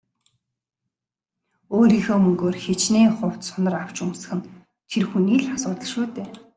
Өөрийнхөө мөнгөөр хэчнээн хувцас хунар авч өмсөх нь тэр хүний л асуудал шүү дээ.